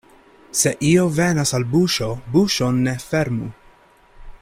Se io venas al buŝo, buŝon ne fermu.